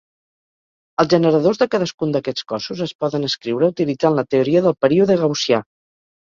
Els generadors de cadascun d'aquests cossos es poden escriure utilitzant la teoria del període gaussià.